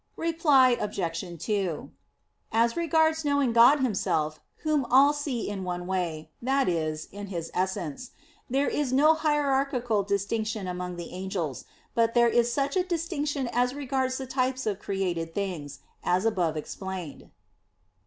Reply Obj. 2: As regards knowing God Himself, Whom all see in one way that is, in His essence there is no hierarchical distinction among the angels; but there is such a distinction as regards the types of created things, as above explained.